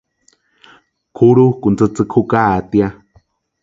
Kʼurhukʼuni tsïtsïki jukatʼia.